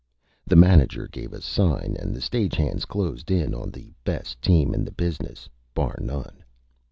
The Manager gave a Sign and the Stage Hands Closed in on the Best Team in the Business, Bar None.